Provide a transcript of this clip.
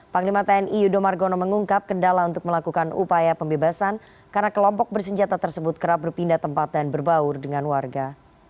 panglima tni yudo margono mengungkap kendala untuk melakukan upaya pembebasan karena kelompok bersenjata tersebut kerap berpindah tempat dan berbaur dengan warga